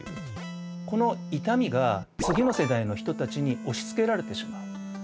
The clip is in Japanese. この痛みが次の世代の人たちに押しつけられてしまう。